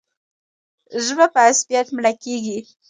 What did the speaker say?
ژبه په عصبیت مړه کېږي.